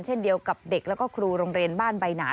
เช่นเดียวกับเด็กแล้วก็ครูโรงเรียนบ้านใบหนา